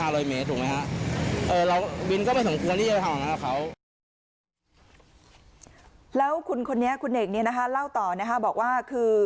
แล้วคุณคนเนี้ยคุณเอกเนี้ยเร่าต่อบอกว่า